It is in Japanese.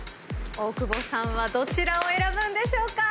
大久保さんはどちらを選ぶんでしょうか？